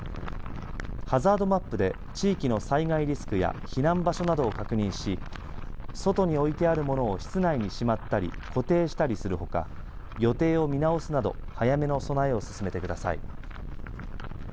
ハザードマップで地域の災害リスクや避難場所などを確認し外に置いてある物を室内にしまったり固定したりするほか予定を見直すなど早めの備えを進めてください。